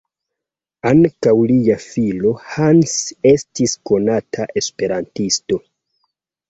Ankaŭ lia filo Hans estis konata esperantisto.